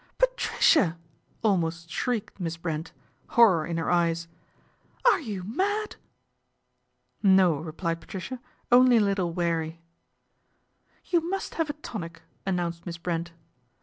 " Patricia !" almost shrieked Miss Brent, horror in her eyes. " Are you mad ?"" No," replied Patricia, " only a little weary." PATRICIA'S INCONSTANCY 243 ' You must have a tonic," announced Miss Brent.